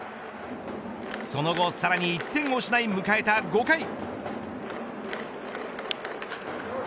その後さらに１点を失い迎えた５回。